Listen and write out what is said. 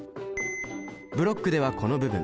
ブロックではこの部分。